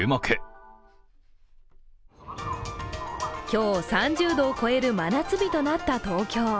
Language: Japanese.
今日、３０度を超える真夏日となった東京。